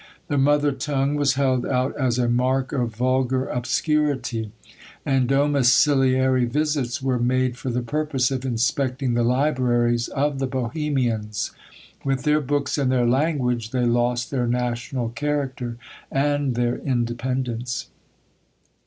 The mother tongue was held out as a mark of vulgar obscurity, and domiciliary visits were made for the purpose of inspecting the libraries of the Bohemians. With their books and their language they lost their national character and their independence.